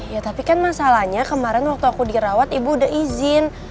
ya tapi kan masalahnya kemarin waktu aku dirawat ibu udah izin